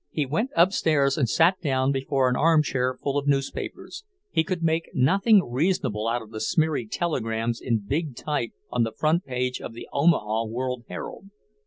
He went upstairs and sat down before an armchair full of newspapers; he could make nothing reasonable out of the smeary telegrams in big type on the front page of the Omaha World Herald.